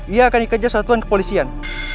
ia akan dikejar satuan kepolisian